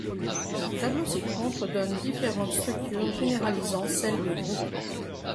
Le tableau ci-contre donne différentes structures généralisant celle de groupe.